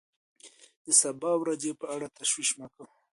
د سبا ورځې په اړه تشویش مه کوه.